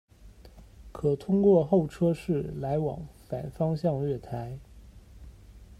可通过候车室来往反方向月台。